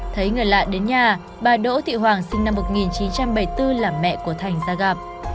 thấy người lạ đến nhà bà đỗ thị hoàng sinh năm một nghìn chín trăm bảy mươi bốn là mẹ của thành ra gặp